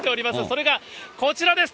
それがこちらです。